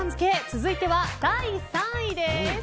続いては第３位です。